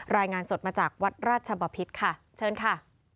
รายงานสดมาจากวัดราชบพิษค่ะเชิญค่ะ